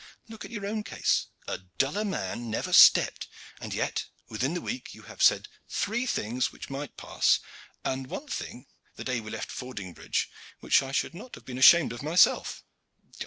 Look at your own case. A duller man never stepped, and yet within the week you have said three things which might pass, and one thing the day we left Fordingbridge which I should not have been ashamed of myself."